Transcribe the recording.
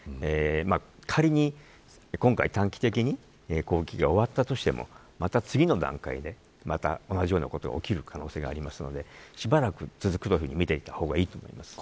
仮に今回短期的に攻撃が終わったとしてもまた次の段階でまた同じようなことが起きる可能性がありますのでしばらく続くというふうに見た方がいいと思います。